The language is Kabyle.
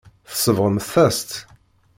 Tsebɣemt-as-tt.